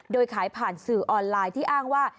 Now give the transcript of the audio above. โดยขายผ่านสื่อออนไลน์ที่อ้างว่า